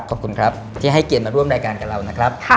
ขอบคุณครับที่ให้เกียรติมาร่วมรายการกับเรานะครับ